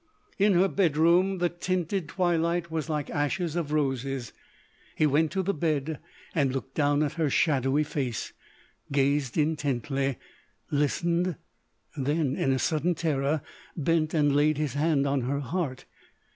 In her bedroom the tinted twilight was like ashes of roses. He went to the bed and looked down at her shadowy face; gazed intently; listened; then, in sudden terror, bent and laid his hand on her heart.